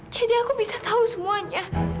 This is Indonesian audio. jadi aku bisa tahu semuanya